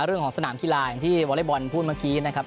เรื่องของสนามกีฬาอย่างที่วอเล็กบอลพูดเมื่อกี้นะครับ